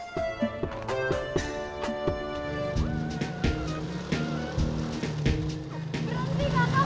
nih lu puter dah